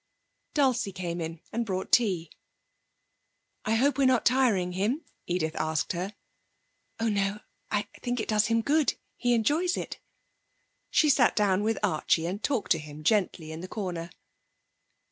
Dulcie came in and brought tea. 'I hope we're not tiring him,' Edith asked her. 'Oh no. I think it does him good. He enjoys it.' She sat down with Archie and talked to him gently in the corner.